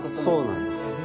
そうなんです。